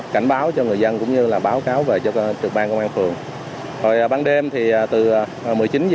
cảnh báo cho người dân cũng như là báo cáo về cho trực ban công an phường ban đêm thì từ một mươi chín h